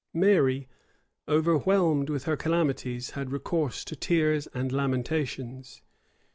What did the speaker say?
[] Mary, overwhelmed with her calamities, had recourse to tears and lamentations.